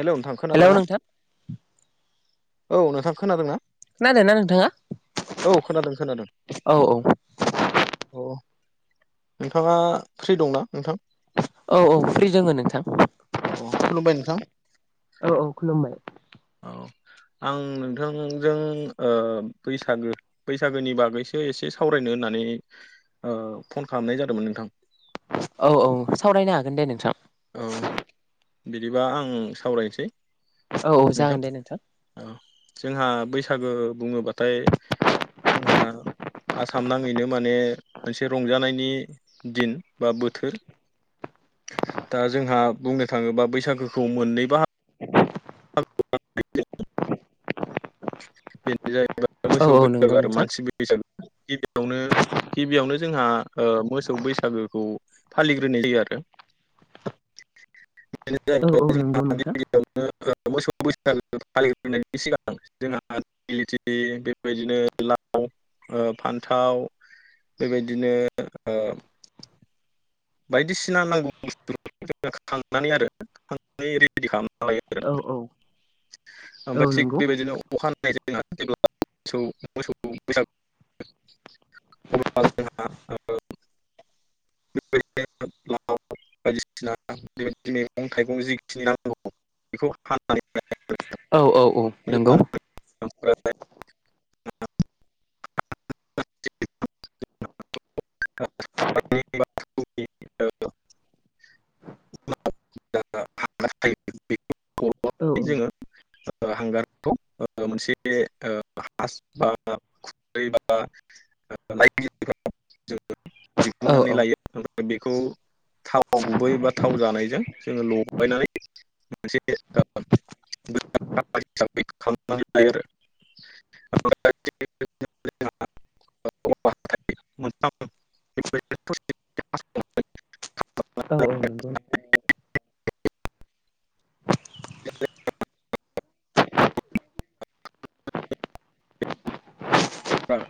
Hello नोंथां hello खोनादों ना? नोंथां औ नोंथां खोनादोंना? खोनादोना नोंथाङा? औ खोनादों खोनादों। औ औ औ नोंथाङा फ्रि दंना नोंथां? औ औ फ्रि दोङो नोंथां औ अ खुलुमबाय नोंथां औ खुलुमबाय। औ आं नोंथांजों ओ बैस सागो बैसागोनि बागैसो एसे सावरायनो होननानै फन खालामनाय जादोंमोन नोंथां। औ औ सावरायनो हागोन दे नोंथां। औ बिदिबा आं सावरायनोसै। औ औ जागोन दे नोंथां। औ जोंहा बैसागो बुङोबाथाय जोंहा आसाम नाङैनो माने मोनसे रंजानायनि दिन बा बोथोर। दा जोंहा बुंनो थाङोबा बैसागोखौ मोननै बाहा [unintelligible] बेनो जाहैबाय औ मोसौै औ बेदर नंगौ आरो नोंथां मानसि बे बैसागु गिबियावनो गिबियावनो जोंहा ओ मोसौ बैसागोखौ फालिग्रोनाय जायो आरो। बेनो औ औ जाहैबाय जोंहा नंगौ नोंथां। मोसौ बैसागो फालिनायनि सिगां जोंहा दिगिलिथि बेबायदिनो लाव ओ फान्थाव बेबायदिनो ओ‌ बायदिसिना नांगौ बुस्थु [unintelligible] खांनानै आरो रेडि खालामना लायो आरो औ औ औ ओमफ्राय थिग नंगौ बेबायदिनो अखा [unintelligible] जादों आरो जेब्ला मोसौ मोसौै बैसाग [unintelligible] [unintelligible] लाव बायदिसिना बे मैगं थाइगं जिखिनि नांगौ बेखौ औ औ औ नंगौ [unintelligible] [unintelligible] [unintelligible] औ [unintelligible] हांगारखौ ओ मोनसे ओ [unintelligible] [unintelligible] औ दिहुननानै लायो बेखौ थाव गुबै बा थाव जानायजों जोङो लगायनानै मोनसे [unintelligible] हिसाबै खालामनानै लायो। आरो औवा [unintelligible] औ औ नंगौ [unintelligible]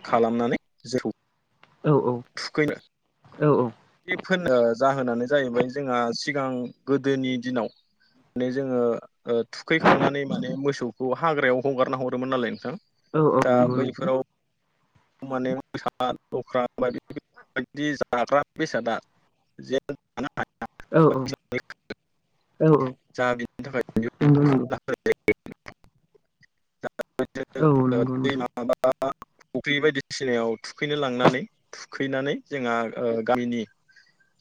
खालामनानै जेखौ औ थुखैनो औ औ बेफोर जाहोनानो जाहैबाय जोंहा सिगां गोदोनि दिनाव माने जोङो ओ थुखैखांनानै माने मोसौखौ हाग्रायाव हगारना हरोमोन नालाय नोंथां। औ औ दा नंगौ नंगौ। बैफोराव माने मोसा लख्रा बदि बदि जाग्रा बेसादा। औ [unintelligible] [unintelligible] औ नंगौ नोंथां [unintelligible] फुख्रि बायदिसिनायाव थुखैनो लांनानै थुखैनानै जोंहा गामिनि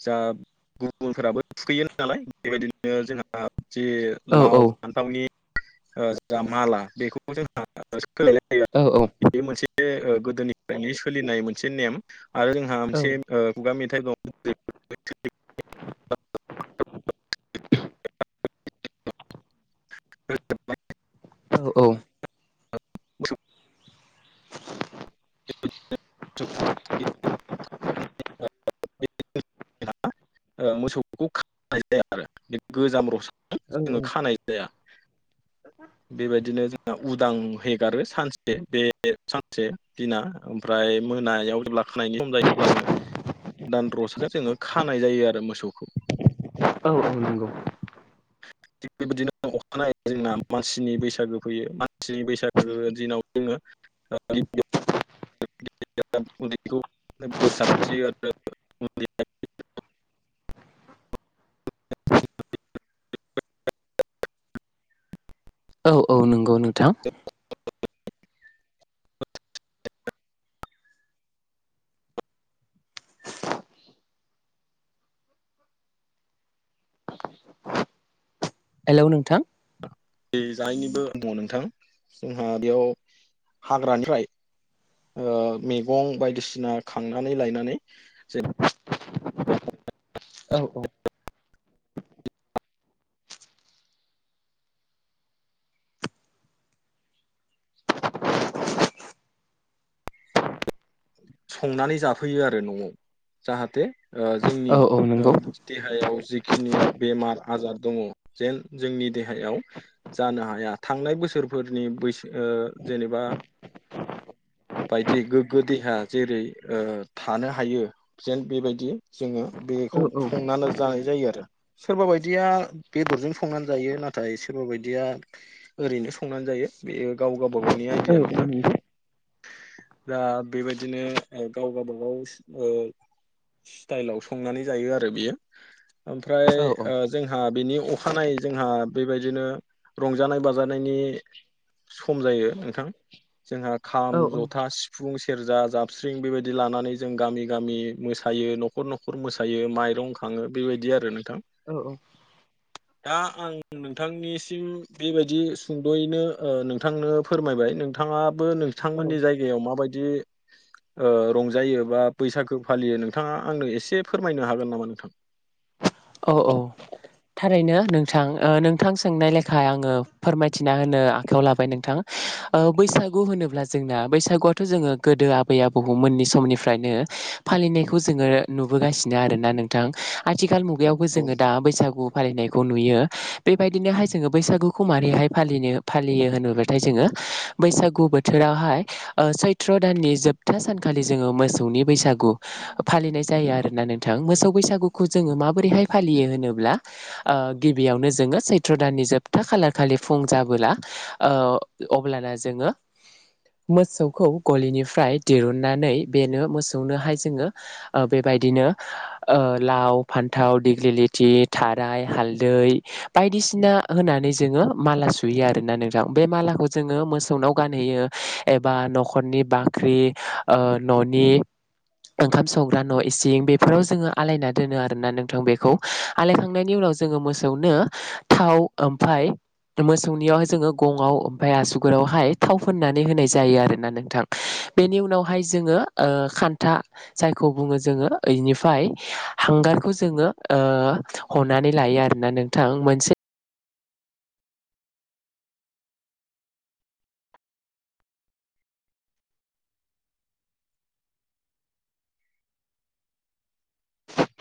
जा गुबुनफोराबो थुखैयो नालाय बेबायदिनो जोंहा जे औ लाव औ फान थावनि जा माला बेखौ जों सोलायनाय औ जायो मोनसे ओ गोदोनिफ्रायनो सोलिनाय मोनसे नेम आरो जोंहा औ मोनसे खुगा मेथाइ दं। [unintelligible] [unintelligible] [unintelligible] औ [unintelligible] [unintelligible] ओ मोसौखौ खा खानाय जाया आरो बे गोजाम रसाखौ जोङो खानाय जाया। बेबायदिनो जोंहा उदां हगारो सानसे बे सानसे दिना ओमफ्राय मोनायाव जेब्ला खानायनि सम जायो अब्ला जोंङो दान रसाजों जोङो खानाय जायो आरो मोसौखौ। औ औ नंगौ। थिग बेबायदिनो अखानायै जोंना मानसिनि बैसागो फैयो मानसिनि बैसागो दिनाव जोङो [unintelligible] उन्दै बोर सास्रि आरो उन्दै औ औ नंगौ नोंथां। हेलौ नोंथां बे जानायनिबो दङ नोंथां जोंहा बेयाव हाग्रानिफ्राय ओ मैगं बायदिसिना खांनानै लायनानै औ औ संनानै जाफैयो आरो न'आव जाहाथे ओ जोंनि औ औ ओ नंगौ देहायाव जिखिनि बेमार आजार दङ जेन जोंनि देहायाव जानो हाया थांनाय बोसोरफोरनि बैसो जेनेबा बायदि गोग्गो देाया जेरै थानो हायो जेन बेबायदि जोङो बेखौ औ औ संनानै जानाय जायो आरो सोरबा बायदिया बेदरजों संनानै जायो नाथाय सोरबा बायदिया ओरैनो संनानै जायो बेयो गाव गावबा गावनि औ नंगौ आइडिया नोंथां। जोंहा बेबायदिनो गाव गावबा-गाव ओ स्टाइलाव संनानै जायो आरो बेयो ओमफ्राय औ औ औ ओ जोंहा बिनि अखानायै जोंहा बेबायदिनो रंजानाय बाजानायनि सम जायो। नोंथां जोंहा खाम औ औ जथा सिफुं फुं सेरजा जाबस्रिं बेबायदि लानानै जों गामि गामि मोसायो न'खर न'खर मोसायो माइरं खाङो बेबायदि आरो नोंथां औ औ [inaudible] दा आं नोंथांनिसिम बेबायदि सुंद'यैनो ओ नोंथांनो फोरमायबाय नोंथाङाबो औ नोंथांमोननि जायगायाव माबायदि ओ रंजायो बा बैसागो फालियो नोंथाङा आंनो एसे फोरमायनो हागोन नामा नोंथां औ औ थारैनो नोंथां ओ नोंथां सोंनाय लेखा आङो फोरमायथिना होनो आखायाव लाबाय नोंथांा ओ बैसागु होनोब्ला जोंना बैसागुआथ' जोङो गोदो आबै बहुममोननि समनिफ्रायनो फालिनायखौ जोङो नुबोगासिनो आरोना नों ओ आथिखाल मुगायावबो जोङो दा बैसागु फालिनायखौ नुयो बेबायदिनोहाय जोङो बैसागुखौ माबोरैहाय फालिनो फालियो होनोब्लाथाय जोङो बैसागु बोथोरावहाय सैथ्र' दाननि जोबथा सानखालि जोङो मोसौनि बैसागु फालिनाय जायो आरोना नोंथां मोसौ बैसागुखौ जोङो माबोरैहाय फालियो होनोब्ला ओ गिबियावनो जोङो सैथ्र' दाननि खालार खालि जाबोला ओ अब्लाना जोङो मोसौखौ गलिनिफ्राय दिरुननानै बेनो मोसौनोहाय जोङो ओ बेबायदिनो लाव फान फथाव दिेग्लि लेथि थाराय हालदै बायदिसिना होनानै जोङो माला सुयो आरोना नोंथां बे मालाखौ जोङो मोसौनाव गानहैयो एबा न'खरनि बाख्रि न'नि ओंखाम संग्रा न' इसिं बेफोराव जोङो आलायना दोनो आरोना नों बेखौ आलायखांनायनि उनाव जोङो मोसौनो थाव ओमफफ्राय मोसौनियाव जोङो गङआव ओमफफ्राय आसुगुरावहाय थाव फोननानै होनाय जायो आरोना नोंथां बेनि उनावहाय जोङो ओ खान्था जायखौ बुङो जोङो ओनिफ्राय हांगारखौ जों ज लोन नों [unintelligible]